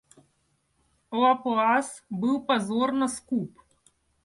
Лаплас был позорно скуп.